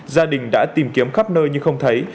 gia đình đã tìm kiếm khắp nơi nhưng không thấy